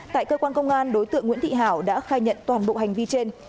tại cơ quan công an đối tượng nguyễn thị hảo đã khai nhận toàn bộ hành vi trên